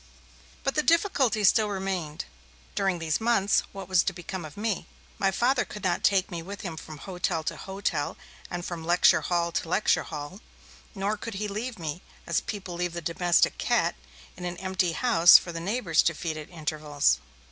But the difficulty still remained. During these months what was to become of me? My Father could not take me with him from hotel to hotel and from lecture hall to lecture hall. Nor could he leave me, as people leave the domestic cat, in an empty house for the neighbours to feed at intervals.